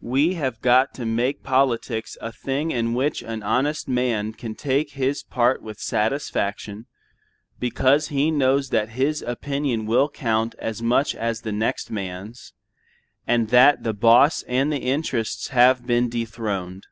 We have got to make politics a thing in which an honest man can take his part with satisfaction because he knows that his opinion will count as much as the next man's, and that the boss and the interests have been dethroned.